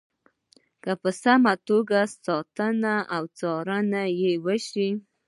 که په سمه توګه ساتنه او څارنه یې وشي.